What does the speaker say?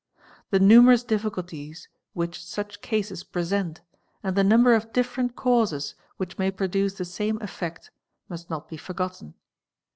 The numerous difficulties which such cases present and the nuinber of different causes which may produce the same effect must not be forgotten.